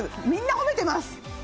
みんな褒めてます。